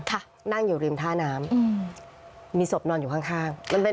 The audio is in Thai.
ค่ะนั่งอยู่ริมท่าน้ำอืมมีศพนอนอยู่ข้างข้างมันเป็น